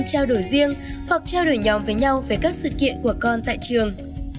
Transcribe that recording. các giáo viên nhắn tin trao đổi riêng hoặc trao đổi nhóm với nhau về các sự kiện của con tại trường